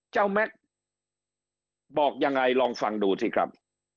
เจ้าแมคบอกยังไงลองฟังดูสิครับ